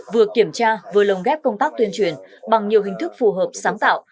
vừa kiểm tra vừa lồng ghép công tác tuyên truyền bằng nhiều hình thức phù hợp sáng tạo